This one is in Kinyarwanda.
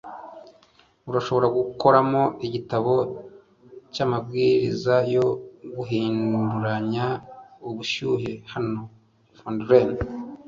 urashobora gukuramo igitabo cyamabwiriza yo guhinduranya ubushyuhe hano. (feudrenais